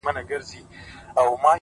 • داسي ښکاري چي بېلېږي د ژوند لاره ,